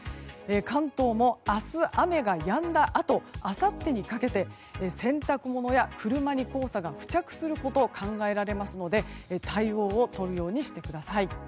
関東も明日、雨がやんだあとあさってにかけて洗濯物や車に黄砂が付着することが考えられますので対応をとるようにしてください。